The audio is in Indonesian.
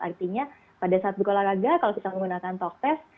artinya pada saat berolahraga kalau kita menggunakan talktest